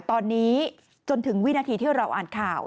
ตอนนี้จนถึงวินาทีที่เราอ่านข่าว